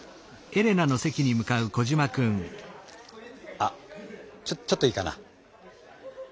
あちょちょっといいかな？